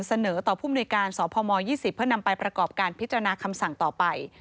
เสนอต่อผู้มนุยการสพม๒๐เพื่อนำไปประกอบการพิจารณาคำสั่งต่อไป